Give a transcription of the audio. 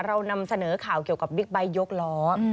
เรานำเสนอข่าวเกี่ยวกับบิ๊กไบท์ยกล้อ